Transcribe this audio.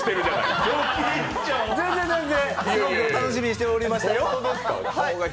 すごく楽しみにしてまいりましたよ。